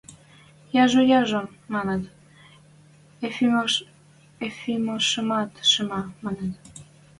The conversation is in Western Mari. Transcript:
– Яжо, яжон, – маныт, – Ефимовшымат шимӓ, – маныт.